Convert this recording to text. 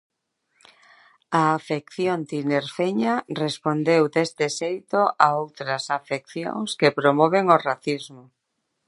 A afección tinerfeña respondeu deste xeito a outras afeccións que promoven o racismo.